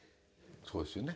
そうですよね。